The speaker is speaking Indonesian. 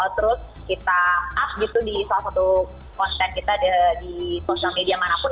terus kita up gitu di salah satu konten kita di sosial media manapun